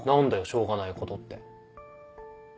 しょうがないことって。